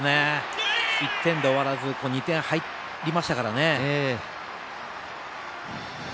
１点で終わらず２点が入りましたからね。